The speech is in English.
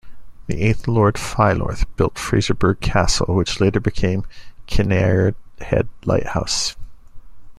The eighth Lord Philorth built Fraserburgh Castle which later became the Kinnaird Head lighthouse.